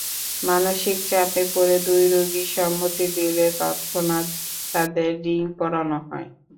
মানসিক চাপে পড়ে দুই রোগী সম্মতি দিলে তৎক্ষণাৎ তাঁদের রিং পরানো হয়।